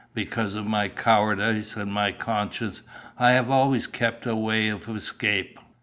Because of my cowardice, and my conscience, I have always kept a way of escape."